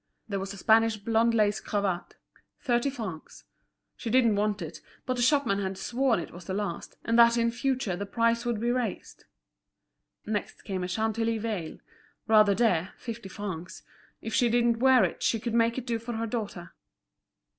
There was a Spanish blonde lace cravat, thirty francs: she didn't want it, but the shopman had sworn it was the last, and that in future the price would be raised. Next came a Chantilly veil: rather dear, fifty francs; if she didn't wear it she could make it do for her daughter.